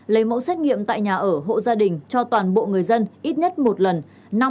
lấy mẫu xét nghiệm tại nhà ở hộ gia đình cho toàn bộ người dân ít nhất một lần